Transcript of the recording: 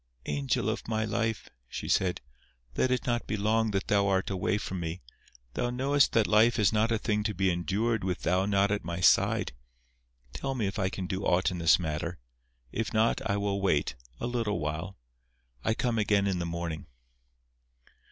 "Angel of my life," she said, "let it not be long that thou art away from me. Thou knowest that life is not a thing to be endured with thou not at my side. Tell me if I can do aught in this matter. If not, I will wait—a little while. I come again in the morning."